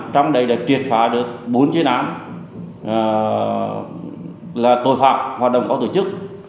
trong đây đã triệt phá được bốn chuyến án là tội phạm hoạt động có tổ chức